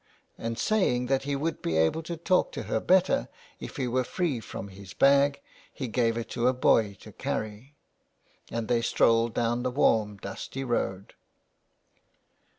And saying that he would be able to talk to her better if he were free from his bag, he gave it to a boy to carry. And they strolled down the warm dusty road.